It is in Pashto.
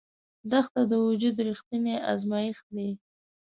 دښته د وجود رښتینی ازمېښت دی.